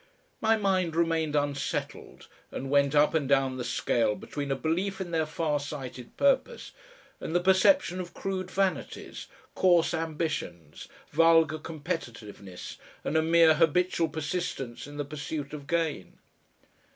My mind remained unsettled, and went up and down the scale between a belief in their far sighted purpose and the perception of crude vanities, coarse ambitions, vulgar competitiveness, and a mere habitual persistence in the pursuit of gain.